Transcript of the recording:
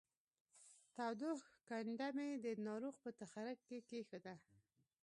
تودوښ کنډه مې د ناروغ په تخرګ کې کېښوده